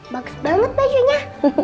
bagus banget bajunya